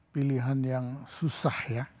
pilihan yang susah ya